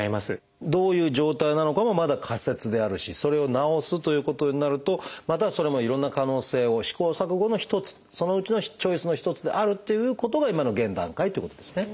どういう状態なのかもまだ仮説であるしそれを治すということになるとまたそれもいろんな可能性を試行錯誤の一つそのうちのチョイスの一つであるっていうことが今の現段階っていうことですね。